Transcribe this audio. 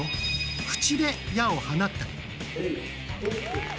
口で矢を放ったり。